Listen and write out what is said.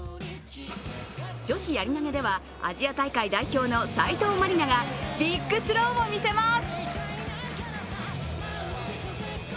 女子やり投げではアジア大会代表の斉藤真理菜がビッグスローをみせます。